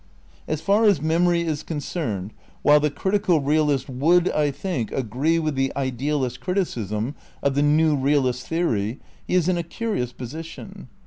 As far as memory is concerned, while the critical realist would, I think, agree with the idealist criticism of the new realist theory, he is in a curious position.